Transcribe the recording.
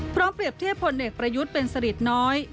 เปรียบเทียบผลเอกประยุทธ์เป็นสลิดน้อย